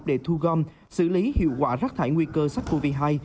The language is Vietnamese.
đã triển khai nhiều giải pháp để thu gom xử lý hiệu quả rắc thải nguy cơ sắc covid một mươi chín